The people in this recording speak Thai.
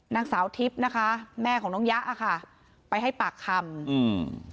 นางสาวทิพย์นะคะแม่ของน้องยะอ่ะค่ะไปให้ปากคำอืม